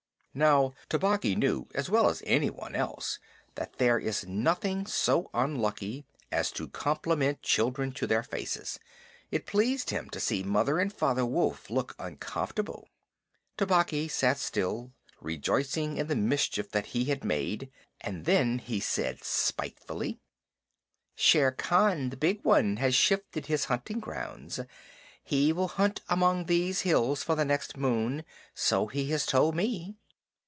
Now, Tabaqui knew as well as anyone else that there is nothing so unlucky as to compliment children to their faces. It pleased him to see Mother and Father Wolf look uncomfortable. Tabaqui sat still, rejoicing in the mischief that he had made, and then he said spitefully: "Shere Khan, the Big One, has shifted his hunting grounds. He will hunt among these hills for the next moon, so he has told me."